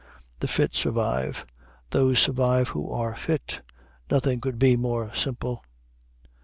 The fit survive; those survive who are fit. Nothing could be more simple.